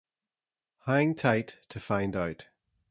Hang tight to find out.